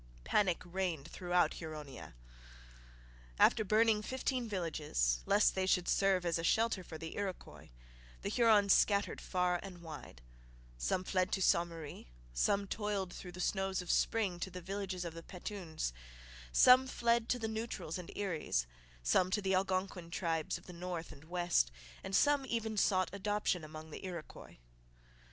Panic reigned throughout Huronia. After burning fifteen villages, lest they should serve as a shelter for the Iroquois, the Hurons scattered far and wide. Some fled to Ste Marie, some toiled through the snows of spring to the villages of the Petuns, some fled to the Neutrals and Eries, some to the Algonquin tribes of the north and west, and some even sought adoption among the Iroquois.